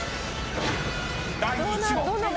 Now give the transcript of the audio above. ［第１問］